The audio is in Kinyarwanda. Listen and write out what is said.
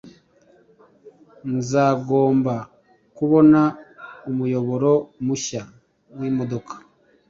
nzagomba kubona umuyoboro mushya wimodoka.